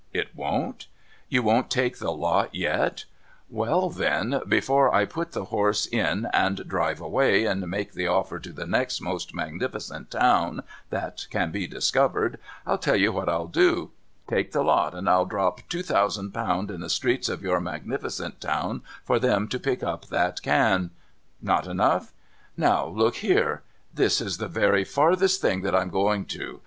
It won't ? You won't take the lot yet ? Well, then, before I put the horse in and drive away, and make the offer to the next most magnificent town that can be discovered, I'll tell you what I'll do. Take the lot, and I'll drop two thousand pound in the streets of your magnificent town for them to pick up that can. Not enough ? Now look here. This is the very furthest that I'm a going to.